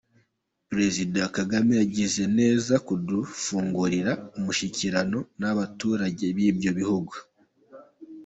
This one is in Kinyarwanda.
Perezida Kagame yagize neza kudufungurira umushyikirano n’abaturage b’ibyo bihugu.